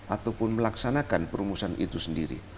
ataupun melaksanakan perumusan itu sendiri